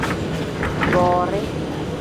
Borii.